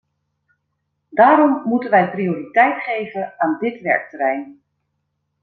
Daarom moeten wij prioriteit geven aan dit werkterrein.